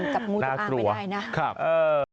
จับงูจงอางไม่ได้นะ